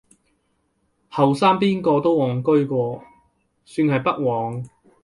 後生邊個都戇居過，算係不枉